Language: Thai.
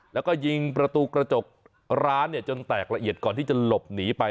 แล้วก็ยิงประตูกระจกร้านจนแตกละเอียดก่อนที่จะหลบหนีไป